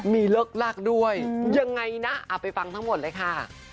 มีเลิกลากด้วยยังไงนะเอาไปฟังทั้งหมดเลยค่ะ